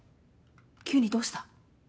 急にどうした？